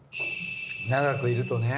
長くいるとね。